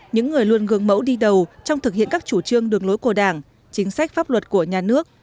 những người luôn gương mẫu đi đầu trong thực hiện các chủ trương đường lối của đảng chính sách pháp luật của nhà nước